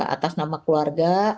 atas nama keluarga